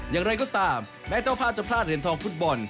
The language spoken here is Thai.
อย่างไรก็ตามแม้เจ้าภาพจะพลาดเหรียญทองฟุตบอล